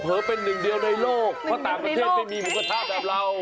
เป็นหนึ่งเดียวในโลกเพราะต่างประเทศไม่มีหมูกระทะแบบเรา